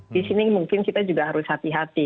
disini mungkin kita juga harus hati hati